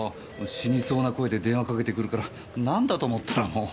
死にそうな声で電話かけてくるから何だと思ったらもう。